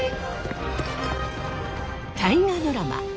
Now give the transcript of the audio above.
大河ドラマ